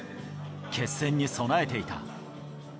決戦に備えていた。